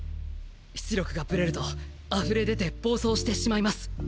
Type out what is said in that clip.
出力がブレるとあふれでて暴走してしまいます。